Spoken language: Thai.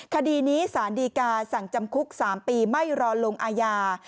คดีนี้สารดีกาสั่งจำคุก๓ปีไม่รอลงอาญา